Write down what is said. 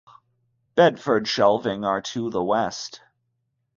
Bedford Shelving are to the west.